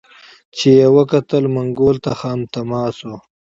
چي یې وکتل منګول ته خامتما سو